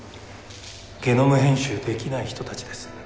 ゲノム編集できない人たちです。